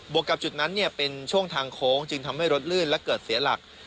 กับจุดนั้นเป็นช่วงทางโค้งจึงทำให้รถลื่นและเกิดเสียหลัก